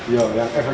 ya yang perbaiki